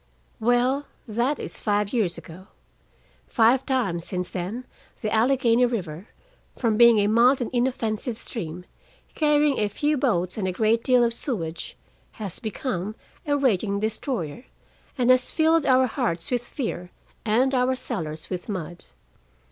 Well, that is five years ago. Five times since then the Allegheny River, from being a mild and inoffensive stream, carrying a few boats and a great deal of sewage, has become, a raging destroyer, and has filled our hearts with fear and our cellars with mud.